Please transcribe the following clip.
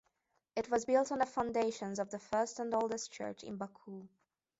It was built on the foundations of the first and oldest church in Baku.